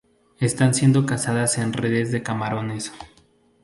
Están siendo cazadas en redes de camarones.